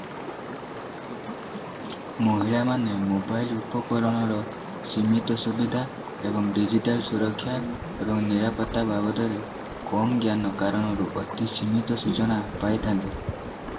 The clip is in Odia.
ମହିଳାମାନେ ମୋବାଇଲ ଉପକରଣର ସୀମିତ ସୁବିଧା ଏବଂ ଡିଜିଟାଲ ସୁରକ୍ଷା ଏବଂ ନିରାପତ୍ତା ବାବଦରେ କମ ଜ୍ଞାନ କାରଣରୁ ଅତି ସୀମିତ ସୂଚନା ପାଇଥାନ୍ତି ।